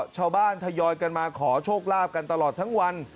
ทยอยกันมาขอโชคลาภกันตลอดทั้งวัน